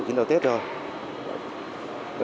khiến tàu tết rồi